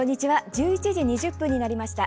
１１時２０分になりました。